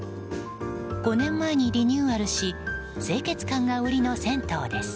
５年前にリニューアルし清潔感が売りの銭湯です。